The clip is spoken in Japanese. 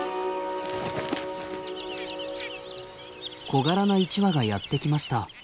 小柄な１羽がやって来ました。